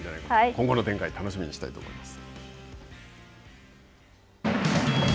今後の展開、楽しみにしたいと思います。